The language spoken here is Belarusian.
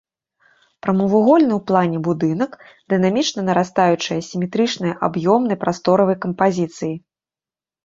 Прамавугольны ў плане будынак дынамічна нарастаючай асіметрычнай аб'ёмна-прасторавай кампазіцыі.